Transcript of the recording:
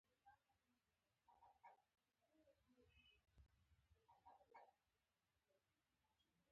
فلزات ښه هادي مواد دي.